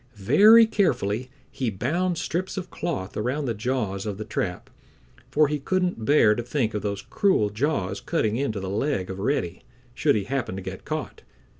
Very carefully he bound strips of cloth around the jaws of the trap, for he couldn't bear to think of those cruel jaws cutting into the leg of Reddy, should he happen to get caught.